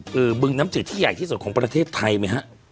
โบรึงน้ำเสือที่ใหญ่ที่สุดครับประเทศไทยไหมฮะ